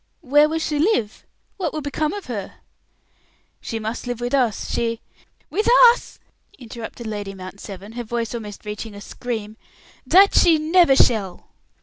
"Where will she live? What will become of her?" "She must live with us. She " "With us!" interrupted Lady Mount Severn, her voice almost reaching a scream. "That she never shall."